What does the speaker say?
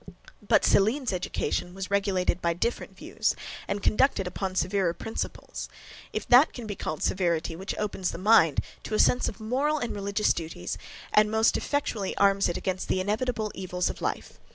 "But, Selene's education was regulated by different views, and conducted upon severer principles; if that can be called severity which opens the mind to a sense of moral and religious duties, and most effectually arms it against the inevitable evils of life."